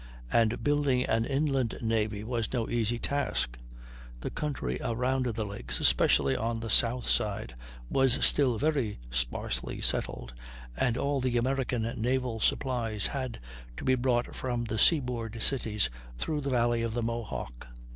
And building an inland navy was no easy task. The country around the lakes, especially on the south side, was still very sparsely settled, and all the American naval supplies had to be brought from the seaboard cities through the valley of the Mohawk.